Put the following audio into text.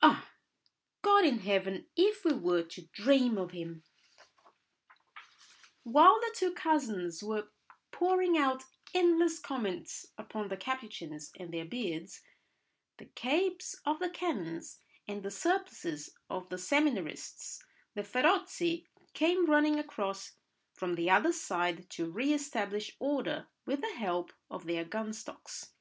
"Ah, God in heaven! If we were to dream of him— " While the two cousins were pouring out endless comments upon the Capuchins and their beards, the capes of the canons and the surplices of the seminarists, the 'feroci' came running across from the other side to re establish order with the help of their gun stocks.